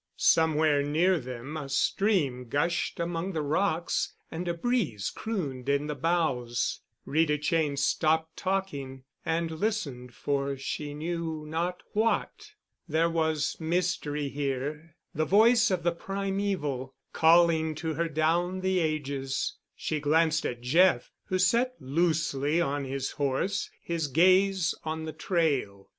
Somewhere near them a stream gushed among the rocks and a breeze crooned in the boughs. Rita Cheyne stopped talking and listened for she knew not what. There was mystery here—the voice of the primeval, calling to her down the ages. She glanced at Jeff, who sat loosely on his horse, his gaze on the trail.